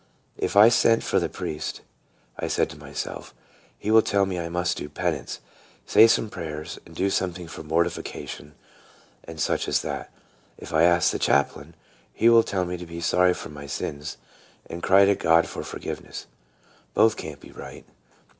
" If I send for the priest," I said to myself, " he will tell me I must do penance, say so many prayers, and do something for mortification, and such as that. If I ask the chaplain, he will tell me to be sorry for my sins, and cry to God for forgiveness. Both can't be right."